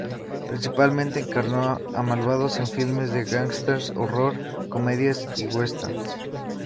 Principalmente encarnó a malvados en filmes de gángsters, horror, comedias y westerns.